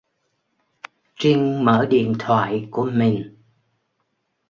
Trinh mở điện thoại của mình